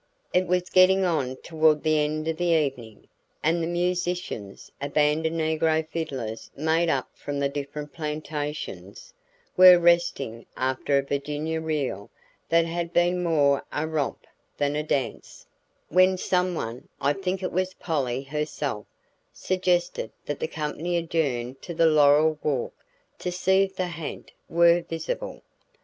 It was getting on toward the end of the evening and the musicians, a band of negro fiddlers made up from the different plantations, were resting after a Virginia reel that had been more a romp than a dance, when someone I think it was Polly herself suggested that the company adjourn to the laurel walk to see if the ha'nt were visible.